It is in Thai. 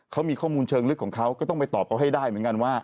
เขามีข้อมูลเชิงลึกของเขาก็ต้องไปตอบเขาให้ได้เหมือนกันว่า